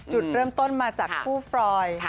จุดเริ่มต้นมาจากคู่ฟรอย